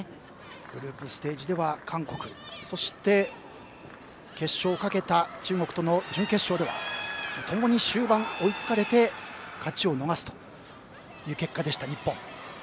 グループステージでは韓国そして決勝をかけた中国との準決勝では共に終盤、追いつかれて勝ちを逃すという結果でした、日本。